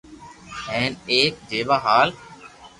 ھين ايڪ جيوہ ھال